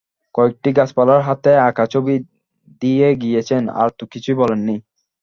কয়েকটি গাছপালার হাতে-আঁকা ছবি দিয়ে গিয়েছেন, আর তো কিছুই বলেন নি।